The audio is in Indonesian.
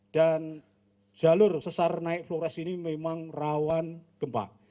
jalur sesar naik flores ini memang rawan gempa